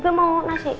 ibu mau nasi